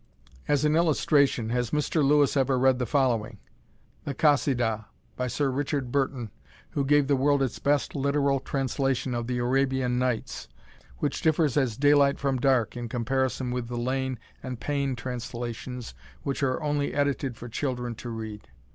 As an illustration, has Mr. Lewis ever read the following: the "Kasidah," by Sir Richard Burton, who gave the world its best literal translation of "The Arabian Nights," which differs as daylight from dark in comparison with the Lane and Payne translations which are only edited for children to read?